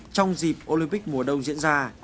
trong dịp olympic mùa đông diễn ra